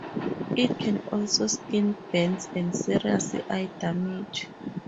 It can also skin burns and serious eye damage.